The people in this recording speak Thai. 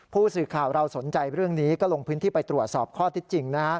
ผู้สื่อข่าวเราสนใจเรื่องนี้ก็ลงพื้นที่ไปตรวจสอบข้อที่จริง